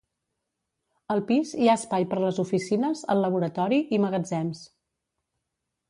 Al pis hi ha espai per les oficines, el laboratori i magatzems.